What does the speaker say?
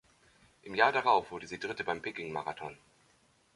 Im Jahr darauf wurde sie Dritte beim Peking-Marathon.